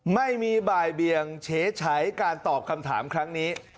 ไม่มีบ่ายเบียงเฉยการตอบคำถามครั้งนี้